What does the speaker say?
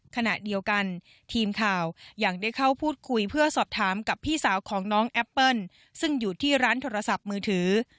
ขณะเดียวกันทีมข่าวยังได้เข้าพูดคุยเพื่อสอบถามกับพี่สาวของน้องแอปเปิ้ลซึ่งอยู่ที่ร้านโทรศัพท์มือถือ